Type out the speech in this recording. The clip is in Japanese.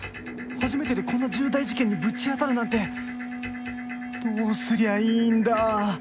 初めてでこんな重大事件にぶち当たるなんてどうすりゃいいんだ！